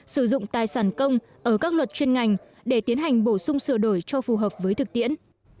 sử dụng tài sản công ở các luật chuyên ngành để tiến hành bổ sung sửa đổi cho phù hợp với thực tiễn